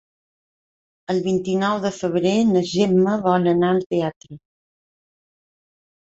El vint-i-nou de febrer na Gemma vol anar al teatre.